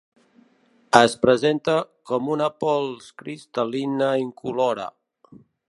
Es presenta com una pols cristal·lina incolora.